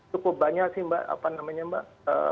cukup banyak sih mbak